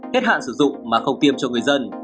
hết hạn sử dụng mà không tiêm cho người dân